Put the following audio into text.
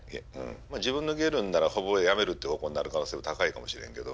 自分抜けるんならほぼやめるって方向になる可能性が高いかもしれんけど。